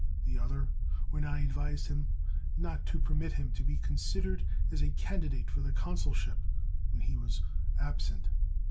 The other, when I advised him not to permit him to be considered as a candidate for the consulship when he was absent.